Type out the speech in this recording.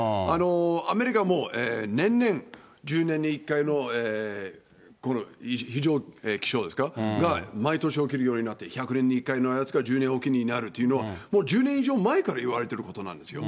アメリカも年々、１０年に１回の異常気象が毎年起きるようになって、１００年に１回のやつが１０年置きになるっていうのは、もう１０年以上前からいわれてることなんですよ。